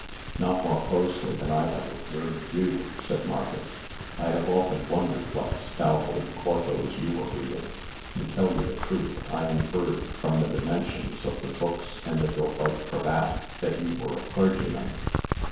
"Not more closely than I have observed you," said Marcus. "I have often wondered what stout old quartos you were reading. To tell you the truth, I inferred, from the dimensions of the books and your white cravat, that you were a clergyman."